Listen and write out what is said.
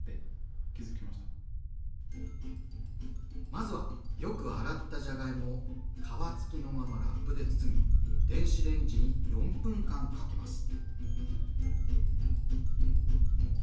まずはよく洗ったじゃがいもを皮付きのままラップで包み電子レンジに４分間かけます。